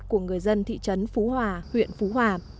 của người dân thị trấn phú hòa huyện phú hòa